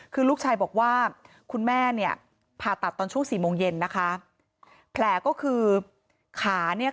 คือลูกชายบอกว่าคุณแม่เนี่ยผ่าตัดตอนช่วงสี่โมงเย็นนะคะแผลก็คือขาเนี่ย